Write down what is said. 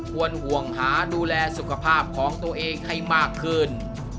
ห่วงหาดูแลสุขภาพของตัวเองให้มากขึ้น